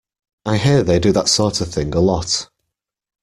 I hear they do that sort of thing a lot.